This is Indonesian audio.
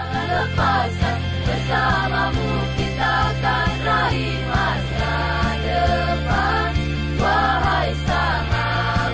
jangan lepaskan bersamamu kita akan raih masa depan